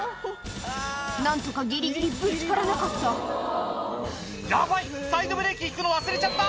何とかギリギリぶつからなかった「ヤバいサイドブレーキ引くの忘れちゃった！」